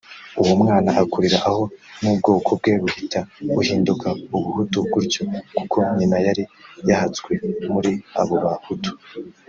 uwo mwana akurira aho n’ubwoko bwe buhita buhinduka ubuhutu gutyo kuko nyina yari yahatswe muri abo bahutu